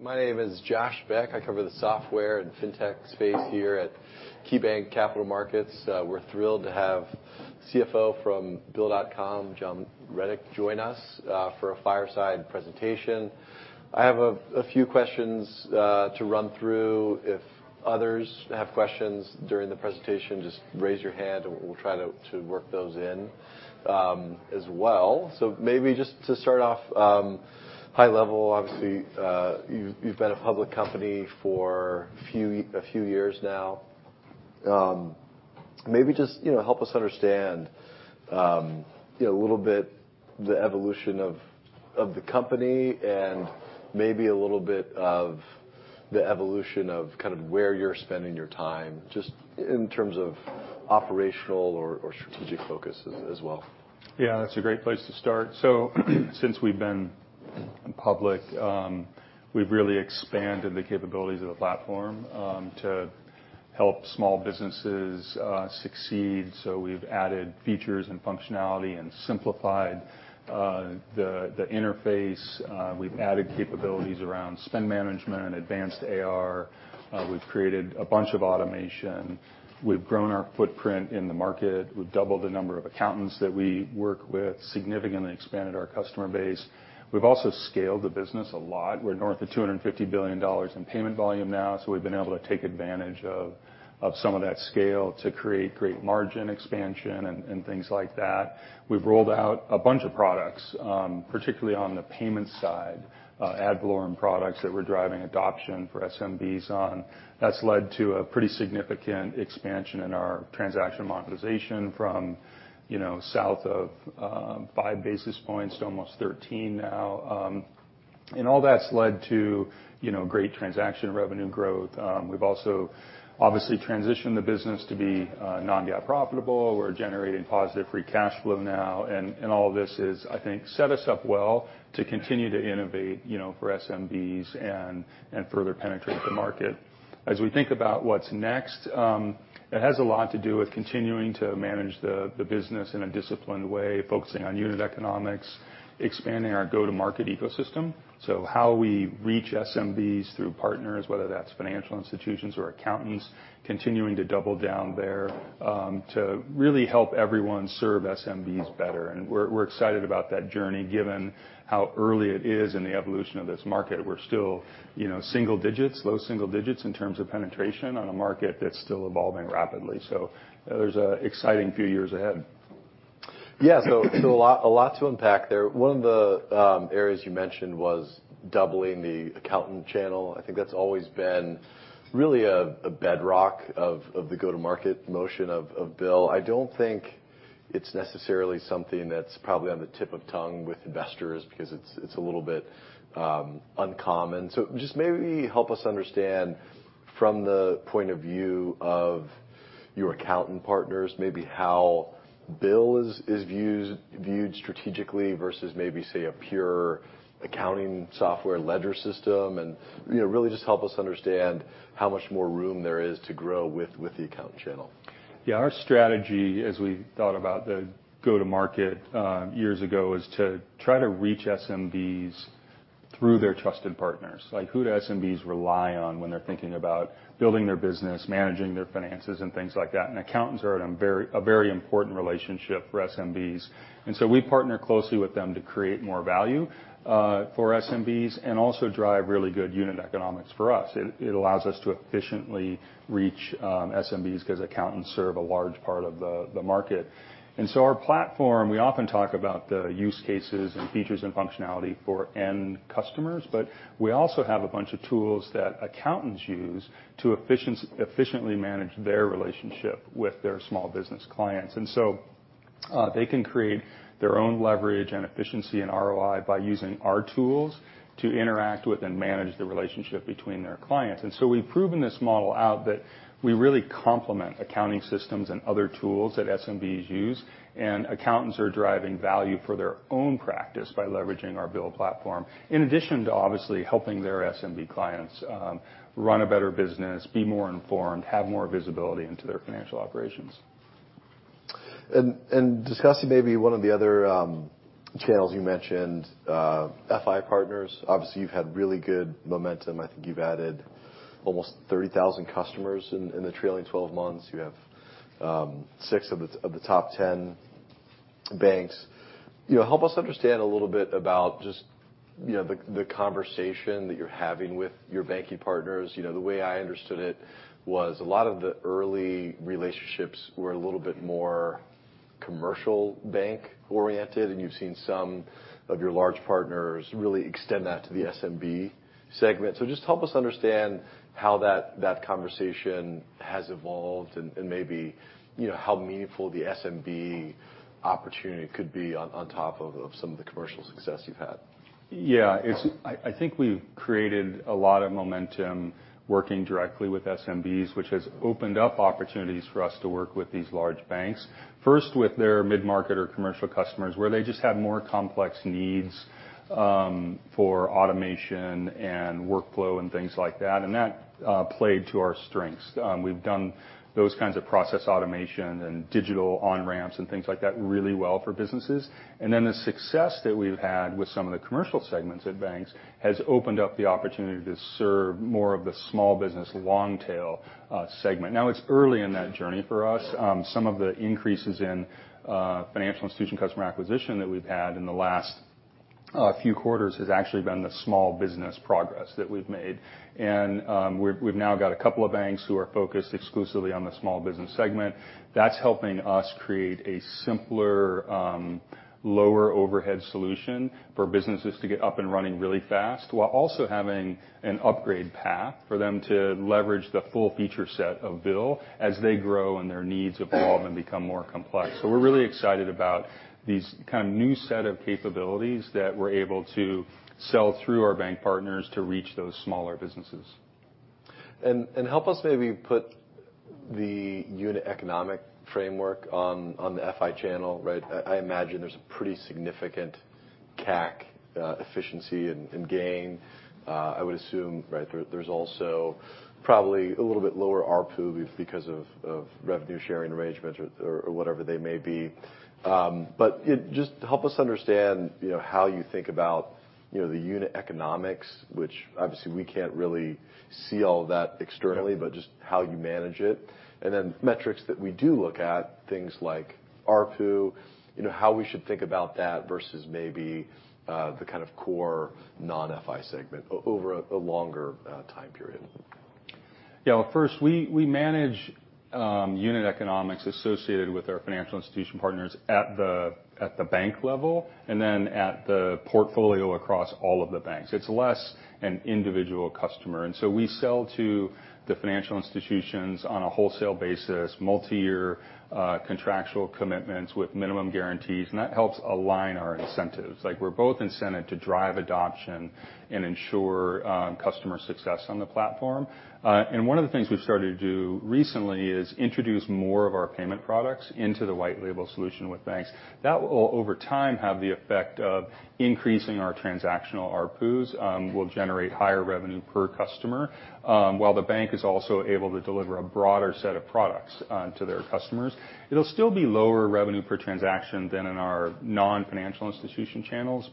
My name is Josh Beck. I cover the software and fintech space here at KeyBanc Capital Markets. We're thrilled to have CFO from Bill.com, John Rettig, join us for a fireside presentation. I have a few questions to run through. If others have questions during the presentation, just raise your hand and we'll try to work those in as well. Maybe just to start off, high level, obviously, you've been a public company for a few years now. Maybe just, you know, help us understand, you know, a little bit the evolution of the company and maybe a little bit of the evolution of kind of where you're spending your time, just in terms of operational or strategic focus as well. Yeah, that's a great place to start. Since we've been public, we've really expanded the capabilities of the platform to help small businesses succeed. We've added features and functionality and simplified the interface. We've added capabilities around spend management, advanced AR. We've created a bunch of automation. We've grown our footprint in the market. We've doubled the number of accountants that we work with, significantly expanded our customer base. We've also scaled the business a lot. We're north of $250 billion in payment volume now, so we've been able to take advantage of some of that scale to create great margin expansion and things like that. We've rolled out a bunch of products, particularly on the payment side, ad valorem products that we're driving adoption for SMBs on. That's led to a pretty significant expansion in our transaction monetization from, you know, south of 5 basis points to almost 13 now. All that's led to, you know, great transaction revenue growth. We've also obviously transitioned the business to be non-GAAP profitable. We're generating positive free cash flow now, and all this is, I think, set us up well to continue to innovate, you know, for SMBs and further penetrate the market. As we think about what's next, it has a lot to do with continuing to manage the business in a disciplined way, focusing on unit economics, expanding our go-to-market ecosystem. How we reach SMBs through partners, whether that's financial institutions or accountants, continuing to double down there to really help everyone serve SMBs better. We're excited about that journey, given how early it is in the evolution of this market. We're still, you know, single digits, low single digits in terms of penetration on a market that's still evolving rapidly. There's a exciting few years ahead. Yeah. A lot to unpack there. One of the areas you mentioned was doubling the accountant channel. I think that's always been really a bedrock of the go-to-market motion of BILL. I don't think it's necessarily something that's probably on the tip of tongue with investors because it's a little bit uncommon. Just maybe help us understand from the point of view of your accountant partners, maybe how BILL is viewed strategically versus maybe, say, a pure accounting software ledger system. You know, really just help us understand how much more room there is to grow with the accountant channel. Yeah. Our strategy as we thought about the go-to market years ago, is to try to reach SMBs through their trusted partners. Like, who do SMBs rely on when they're thinking about building their business, managing their finances, and things like that? Accountants are at a very important relationship for SMBs. We partner closely with them to create more value for SMBs, and also drive really good unit economics for us. It allows us to efficiently reach SMBs 'cause accountants serve a large part of the market. Our platform, we often talk about the use cases and features and functionality for end customers, but we also have a bunch of tools that accountants use to efficiently manage their relationship with their small business clients. They can create their own leverage and efficiency and ROI by using our tools to interact with and manage the relationship between their clients. We've proven this model out that we really complement accounting systems and other tools that SMBs use, and accountants are driving value for their own practice by leveraging our BILL platform, in addition to obviously helping their SMB clients, run a better business, be more informed, have more visibility into their financial operations. Discussing maybe one of the other channels you mentioned, FI partners. Obviously, you've had really good momentum. I think you've added almost 30,000 customers in the trailing 12 months. You have six of the top 10 banks. You know, help us understand a little bit about just, you know, the conversation that you're having with your banking partners. You know, the way I understood it was a lot of the early relationships were a little bit more commercial bank-oriented, and you've seen some of your large partners really extend that to the SMB segment. Just help us understand how that conversation has evolved and maybe, you know, how meaningful the SMB opportunity could be on top of some of the commercial success you've had. I think we've created a lot of momentum working directly with SMBs, which has opened up opportunities for us to work with these large banks, first with their mid-market or commercial customers, where they just have more complex needs for automation and workflow and things like that played to our strengths. We've done those kinds of process automation and digital on-ramps and things like that really well for businesses. The success that we've had with some of the commercial segments at banks has opened up the opportunity to serve more of the small business long-tail segment. Now, it's early in that journey for us. Some of the increases in financial institution customer acquisition that we've had in the last few quarters has actually been the small business progress that we've made. We've now got a couple of banks who are focused exclusively on the small business segment. That's helping us create a simpler, lower overhead solution for businesses to get up and running really fast while also having an upgrade path for them to leverage the full feature set of BILL as they grow and their needs evolve and become more complex. We're really excited about these kind of new set of capabilities that we're able to sell through our bank partners to reach those smaller businesses. Help us maybe put the unit economic framework on the FI channel, right? I imagine there's a pretty significant CAC efficiency and gain, I would assume, right? There's also probably a little bit lower ARPU because of revenue sharing arrangements or whatever they may be. Yeah, just help us understand, you know, how you think about, you know, the unit economics, which obviously we can't really see all that externally... Yeah but just how you manage it. Metrics that we do look at, things like ARPU, you know, how we should think about that versus maybe, the kind of core non-FI segment over a longer time period. Well, first, we manage unit economics associated with our financial institution partners at the bank level, and then at the portfolio across all of the banks. It's less an individual customer. So we sell to the financial institutions on a wholesale basis, multiyear contractual commitments with minimum guarantees, and that helps align our incentives. Like, we're both incented to drive adoption and ensure customer success on the platform. One of the things we've started to do recently is introduce more of our payment products into the white label solution with banks. That will, over time, have the effect of increasing our transactional ARPUs, will generate higher revenue per customer, while the bank is also able to deliver a broader set of products to their customers. It'll still be lower revenue per transaction than in our non-financial institution channels.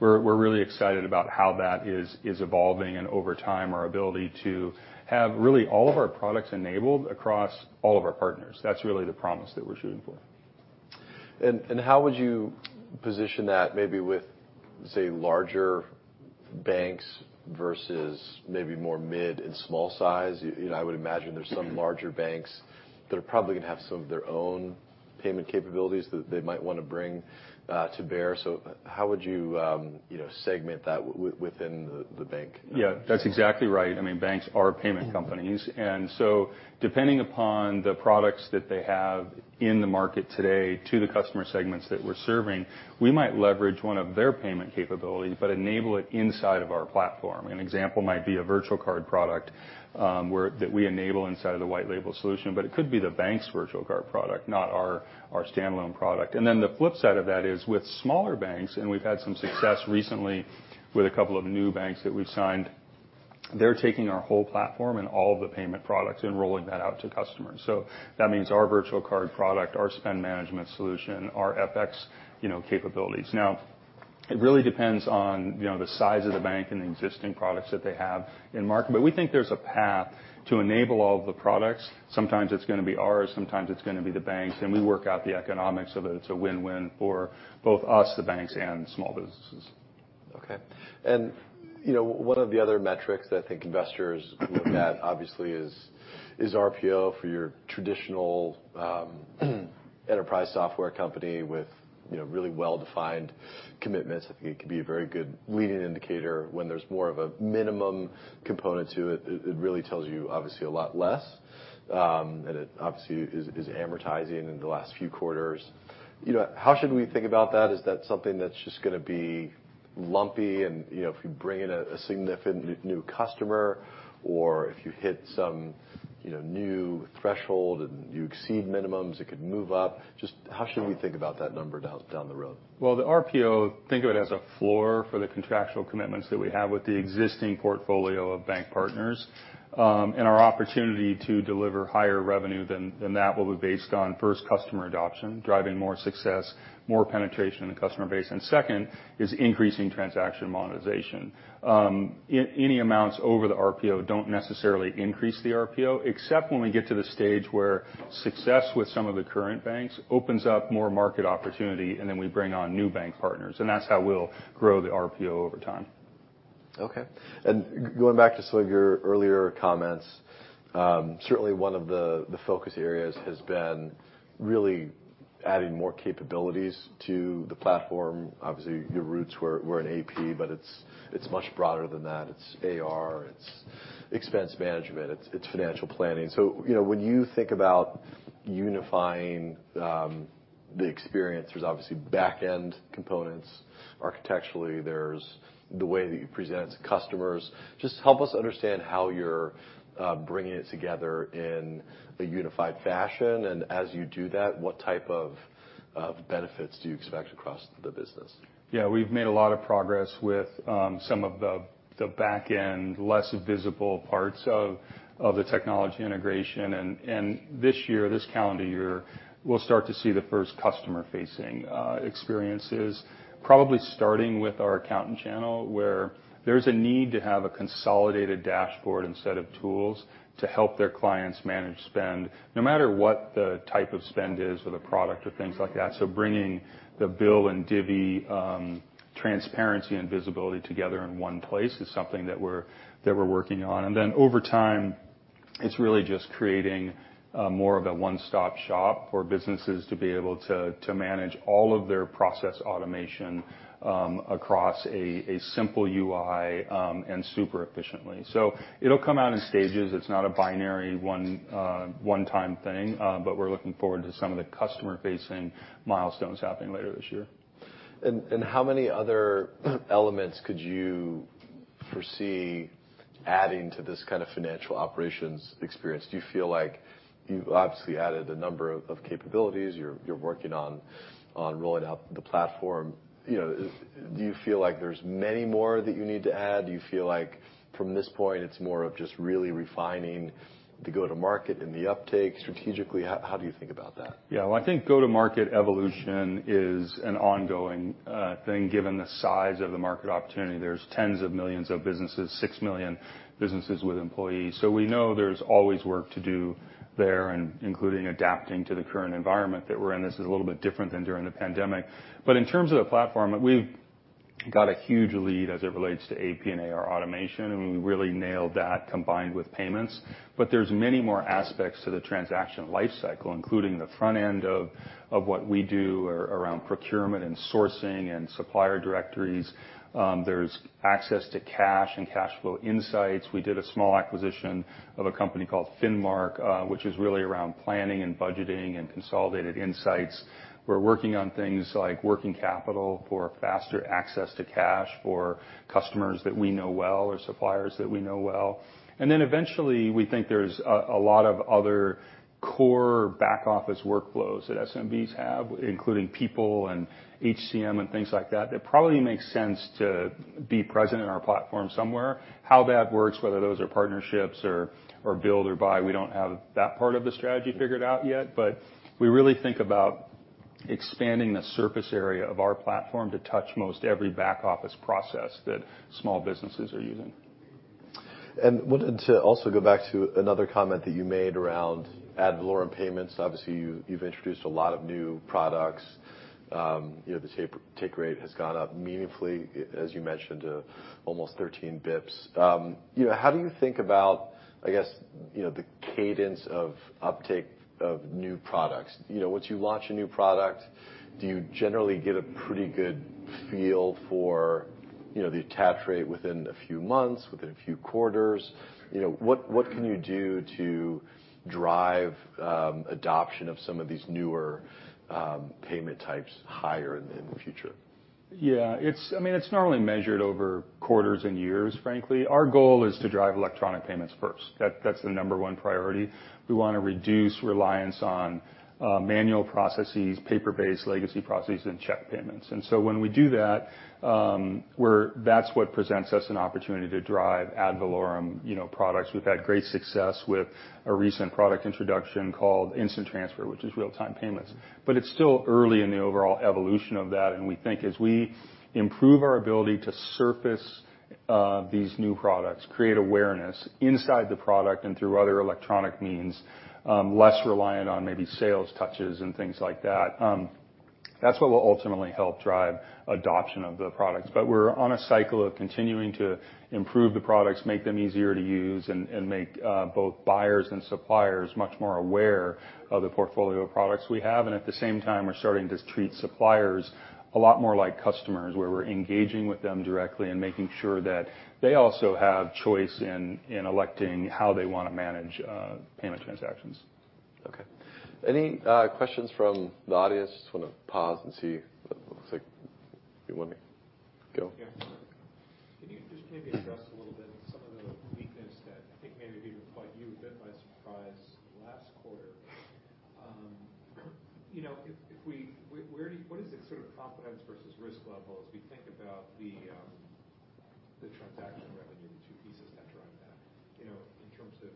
We're really excited about how that is evolving and over time, our ability to have really all of our products enabled across all of our partners. That's really the promise that we're shooting for. How would you position that maybe with, say, larger banks versus maybe more mid and small size? You know, I would imagine there's some larger banks that are probably gonna have some of their own payment capabilities that they might wanna bring to bear. How would you know, segment that within the bank? Yeah. That's exactly right. I mean, banks are payment companies. Depending upon the products that they have in the market today to the customer segments that we're serving, we might leverage one of their payment capabilities but enable it inside of our platform. An example might be a virtual card product, that we enable inside of the white label solution, but it could be the bank's virtual card product, not our standalone product. The flip side of that is with smaller banks, and we've had some success recently with a couple of new banks that we've signed, they're taking our whole platform and all of the payment products and rolling that out to customers. That means our virtual card product, our spend management solution, our FX, you know, capabilities. It really depends on, you know, the size of the bank and the existing products that they have in market. We think there's a path to enable all of the products. Sometimes it's gonna be ours, sometimes it's gonna be the banks, and we work out the economics of it. It's a win-win for both us, the banks, and small businesses. Okay. You know, one of the other metrics I think investors look at obviously is RPO for your traditional enterprise software company with, you know, really well-defined commitments. I think it can be a very good leading indicator. When there's more of a minimum component to it really tells you obviously a lot less, and it obviously is amortizing in the last few quarters. You know, how should we think about that? Is that something that's just gonna be lumpy and, you know, if you bring in a significant new customer, or if you hit some, you know, new threshold and you exceed minimums, it could move up. Just how should we think about that number down the road? Well, the RPO, think of it as a floor for the contractual commitments that we have with the existing portfolio of bank partners. Our opportunity to deliver higher revenue than that will be based on, first, customer adoption, driving more success, more penetration in the customer base, and second is increasing transaction monetization. Any amounts over the RPO don't necessarily increase the RPO, except when we get to the stage where success with some of the current banks opens up more market opportunity, and then we bring on new bank partners, and that's how we'll grow the RPO over time. Okay. going back to some of your earlier comments, certainly one of the focus areas has been really adding more capabilities to the platform. Obviously, your roots were in AP, but it's much broader than that. It's AR, it's expense management, it's financial planning. you know, when you think about unifying the experience, there's obviously back-end components architecturally. There's the way that you present customers. Just help us understand how you're bringing it together in a unified fashion, and as you do that, what type of benefits do you expect across the business? Yeah. We've made a lot of progress with some of the back end, less visible parts of the technology integration. This year, this calendar year, we'll start to see the first customer-facing experiences, probably starting with our accountant channel, where there's a need to have a consolidated dashboard instead of tools to help their clients manage spend, no matter what the type of spend is or the product or things like that. Bringing the BILL and Divvy transparency and visibility together in one place is something that we're working on. Over time, it's really just creating more of a one-stop shop for businesses to be able to manage all of their process automation across a simple UI and super efficiently. It'll come out in stages. It's not a binary one-time thing, but we're looking forward to some of the customer-facing milestones happening later this year. How many other elements could you foresee adding to this kind of financial operations experience? Do you feel like you've obviously added a number of capabilities, you're working on rolling out the platform. You know, do you feel like there's many more that you need to add? Do you feel like from this point, it's more of just really refining the go-to-market and the uptake? Strategically, how do you think about that? Yeah. Well, I think go-to-market evolution is an ongoing thing, given the size of the market opportunity. There's tens of millions of businesses, 6 million businesses with employees. We know there's always work to do there, including adapting to the current environment that we're in. This is a little bit different than during the pandemic. In terms of the platform, we've got a huge lead as it relates to AP and AR automation, and we really nailed that combined with payments. There's many more aspects to the transaction life cycle, including the front end of what we do around procurement and sourcing and supplier directories. There's access to cash and cash flow insights. We did a small acquisition of a company called Finmark, which is really around planning and budgeting and consolidated insights. We're working on things like working capital for faster access to cash for customers that we know well or suppliers that we know well. Eventually, we think there's a lot of other core back office workflows that SMBs have, including people and HCM and things like that probably makes sense to be present in our platform somewhere. How that works, whether those are partnerships or build or buy, we don't have that part of the strategy figured out yet. We really think about expanding the surface area of our platform to touch most every back office process that small businesses are using. Wanted to also go back to another comment that you made around ad valorem payments. Obviously, you've introduced a lot of new products. You know, the take rate has gone up meaningfully, as you mentioned, almost 13 basis points. You know, how do you think about, I guess, you know, the cadence of uptake of new products? You know, once you launch a new product, do you generally get a pretty good feel for, you know, the attach rate within a few months, within a few quarters? You know, what can you do to drive adoption of some of these newer payment types higher in the future? Yeah. It's, I mean, it's normally measured over quarters and years, frankly. Our goal is to drive electronic payments first. That, that's the number one priority. We wanna reduce reliance on manual processes, paper-based legacy processes, and check payments. When we do that's what presents us an opportunity to drive ad valorem, you know, products. We've had great success with a recent product introduction called Instant Transfer, which is real-time payments. It's still early in the overall evolution of that, and we think as we improve our ability to surface these new products, create awareness inside the product and through other electronic means, less reliant on maybe sales touches and things like that's what will ultimately help drive adoption of the products. We're on a cycle of continuing to improve the products, make them easier to use, and make both buyers and suppliers much more aware of the portfolio of products we have. At the same time, we're starting to treat suppliers a lot more like customers, where we're engaging with them directly and making sure that they also have choice in electing how they wanna manage payment transactions. Okay. Any questions from the audience? Just wanna pause and see. Looks like. You want me go? Yeah. Can you just maybe address a little bit some of the weakness that I think maybe even caught you a bit by surprise last quarter? You know, what is the sort of confidence versus risk level as we think about the transaction revenue, the two pieces that drive that, you know, in terms of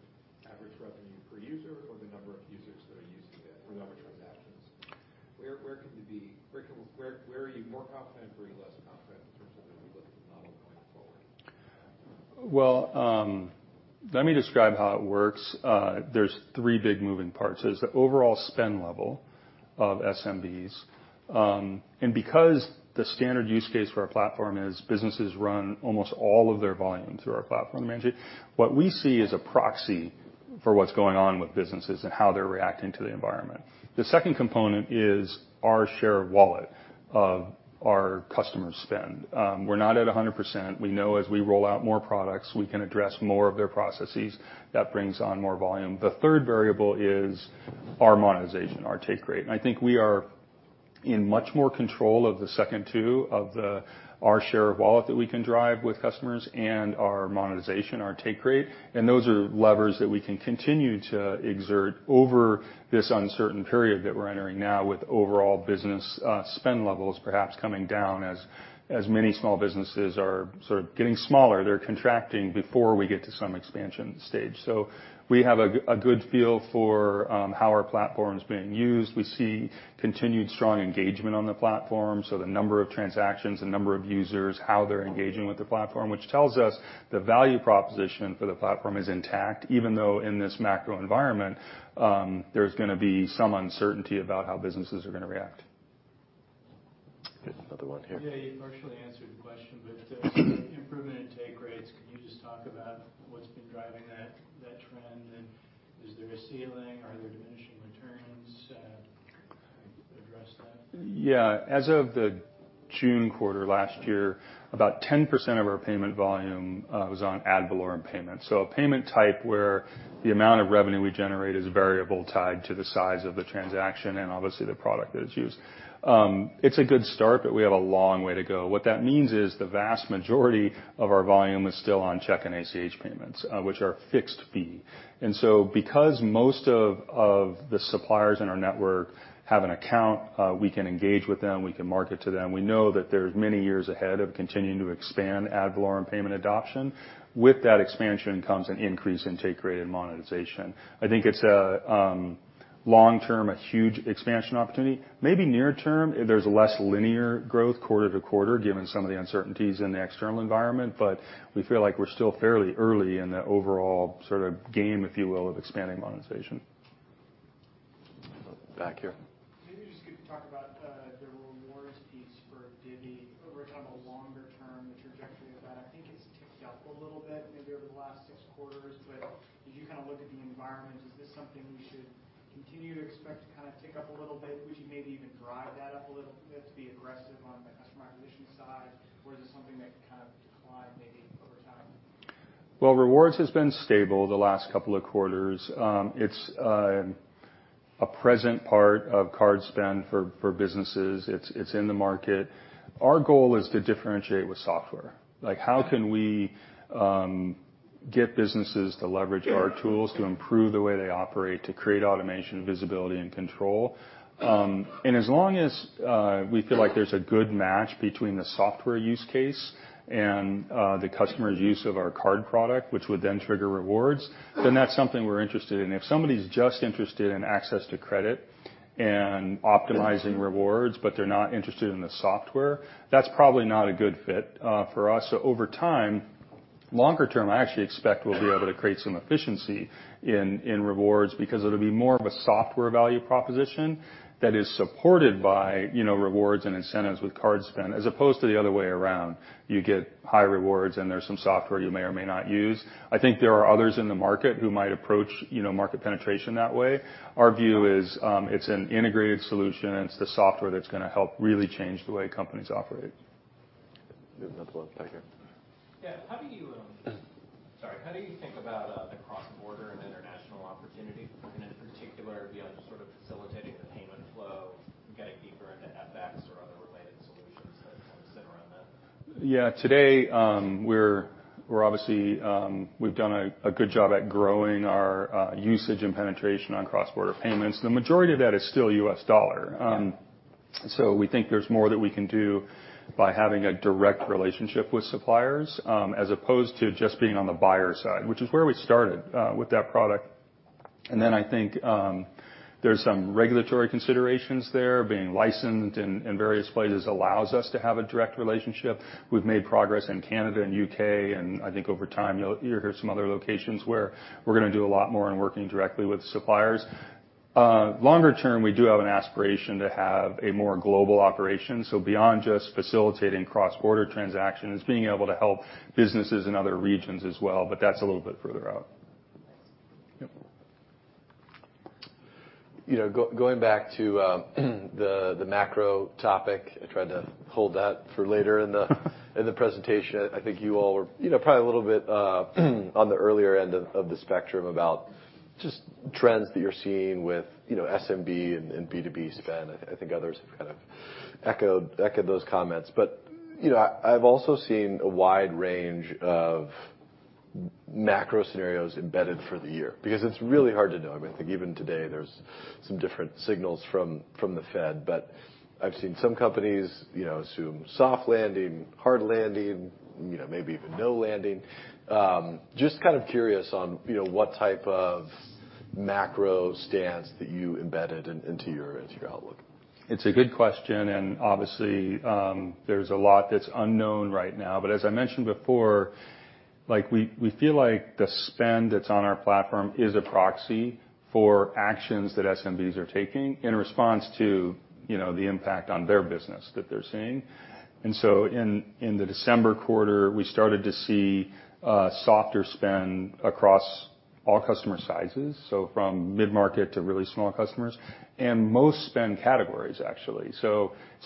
average revenue per user or the number of users that are using it or number of transactions? Where, where can we be? Where, where are you more confident, where are you less confident in terms of the way you look at the model going forward? Well, let me describe how it works. There's three big moving parts. There's the overall spend level of SMBs. Because the standard use case for our platform is businesses run almost all of their volume through our platform, manage it, what we see is a proxy for what's going on with businesses and how they're reacting to the environment. The second component is our share of wallet of our customers' spend. We're not at 100%. We know as we roll out more products, we can address more of their processes. That brings on more volume. The third variable is our monetization, our take rate. I think we are in much more control of the second two of our share of wallet that we can drive with customers and our monetization, our take rate. Those are levers that we can continue to exert over this uncertain period that we're entering now with overall business spend levels, perhaps coming down as many small businesses are sort of getting smaller. They're contracting before we get to some expansion stage. We have a good feel for how our platform's being used. We see continued strong engagement on the platform, so the number of transactions, the number of users, how they're engaging with the platform, which tells us the value proposition for the platform is intact, even though in this macro environment, there's gonna be some uncertainty about how businesses are gonna react. There's another one here. Yeah, you partially answered the question, but, improvement in take rates, can you just talk about what's been driving that trend? Is there a ceiling? Are there diminishing returns? Kind of address that. Yeah. As of the June quarter last year, about 10% of our payment volume was on ad valorem payment. A payment type where the amount of revenue we generate is variable tied to the size of the transaction and obviously the product that is used. It's a good start. We have a long way to go. What that means is the vast majority of our volume is still on check and ACH payments, which are fixed fee. Because most of the suppliers in our network have an account, we can engage with them, we can market to them. We know that there's many years ahead of continuing to expand ad valorem payment adoption. With that expansion comes an increase in take rate and monetization. I think it's a long-term, huge expansion opportunity. Maybe near term, there's less linear growth quarter to quarter given some of the uncertainties in the external environment, but we feel like we're still fairly early in the overall sort of game, if you will, of expanding monetization. Back here. Maybe you just could talk about the rewards piece for Divvy over kind of a longer term, the trajectory of that. I think it's ticked up a little bit maybe over the last six quarters. As you kind of look at the environment, is this something we should continue to expect to kind of tick up a little bit? Would you maybe even drive that up a little bit to be aggressive on the customer acquisition side? Is it something that could kind of decline maybe over time? Well, rewards has been stable the last couple of quarters. It's a present part of card spend for businesses. It's in the market. Our goal is to differentiate with software. How can we get businesses to leverage our tools to improve the way they operate, to create automation, visibility, and control? As long as we feel like there's a good match between the software use case and the customer's use of our card product, which would then trigger rewards, then that's something we're interested in. If somebody's just interested in access to credit and optimizing rewards, but they're not interested in the software, that's probably not a good fit for us. Over time, longer term, I actually expect we'll be able to create some efficiency in rewards because it'll be more of a software value proposition that is supported by, you know, rewards and incentives with card spend, as opposed to the other way around. You get high rewards, and there's some software you may or may not use. I think there are others in the market who might approach, you know, market penetration that way. Our view is, it's an integrated solution, and it's the software that's gonna help really change the way companies operate. We have another one back here. Yeah. Sorry. How do you think about the cross-border and international opportunity? In particular, beyond just sort of facilitating the payment flow, getting deeper into FX or other related solutions that kind of center around that. Yeah. Today, we're obviously, we've done a good job at growing our usage and penetration on cross-border payments. The majority of that is still US dollar. We think there's more that we can do by having a direct relationship with suppliers, as opposed to just being on the buyer side, which is where we started with that product. I think there's some regulatory considerations there. Being licensed in various places allows us to have a direct relationship. We've made progress in Canada and UK, I think over time, you'll hear some other locations where we're gonna do a lot more in working directly with suppliers. Longer term, we do have an aspiration to have a more global operation, so beyond just facilitating cross-border transactions, being able to help businesses in other regions as well, but that's a little bit further out. Yep. You know, going back to the macro topic, I tried to hold that for later in the presentation. I think you all were, you know, probably a little bit on the earlier end of the spectrum about just trends that you're seeing with, you know, SMB and B2B spend. I think others have kind of echoed those comments. You know, I've also seen a wide range of macro scenarios embedded for the year because it's really hard to know. I mean, I think even today there's some different signals from the Fed. I've seen some companies, you know, assume soft landing, hard landing, you know, maybe even no landing. Just kind of curious on, you know, what type of macro stance that you embedded into your outlook. It's a good question. Obviously, there's a lot that's unknown right now. As I mentioned before, like, we feel like the spend that's on our platform is a proxy for actions that SMBs are taking in response to, you know, the impact on their business that they're seeing. In the December quarter, we started to see, softer spend across all customer sizes, so from mid-market to really small customers, and most spend categories, actually.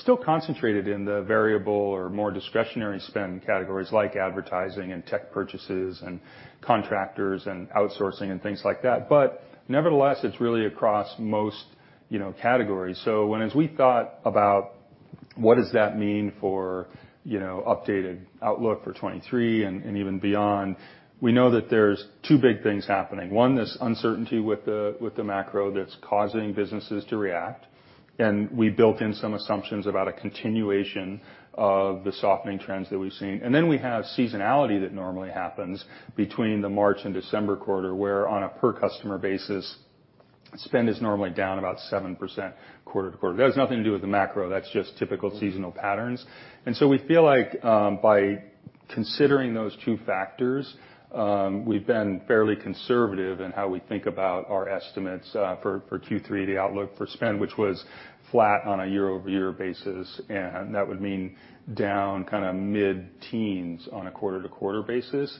Still concentrated in the variable or more discretionary spend categories like advertising and tech purchases and contractors and outsourcing and things like that. Nevertheless, it's really across most, you know, categories. When as we thought about what does that mean for, you know, updated outlook for 2023 and even beyond, we know that there's two big things happening. One is uncertainty with the macro that's causing businesses to react, and we built in some assumptions about a continuation of the softening trends that we've seen. We have seasonality that normally happens between the March and December quarter, where on a per customer basis, spend is normally down about 7% quarter-to-quarter. That has nothing to do with the macro. That's just typical seasonal patterns. We feel like, by considering those two factors, we've been fairly conservative in how we think about our estimates for Q3, the outlook for spend, which was flat on a year-over-year basis, and that would mean down kinda mid-teens on a quarter-to-quarter basis.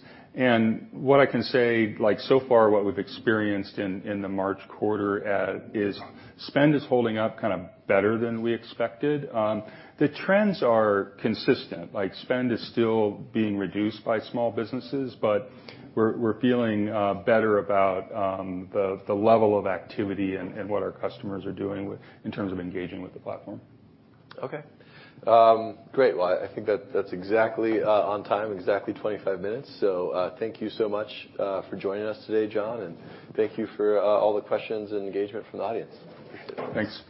What I can say, like, so far what we've experienced in the March quarter, is spend is holding up kind of better than we expected. The trends are consistent, like spend is still being reduced by small businesses, but we're feeling better about the level of activity and what our customers are doing with, in terms of engaging with the platform. Okay. Great. Well, I think that that's exactly on time, exactly 25 minutes. Thank you so much for joining us today, John, and thank you for all the questions and engagement from the audience. Thanks.